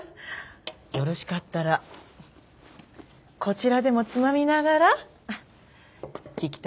よろしかったらこちらでもつまみながら聞きたいことは何でも。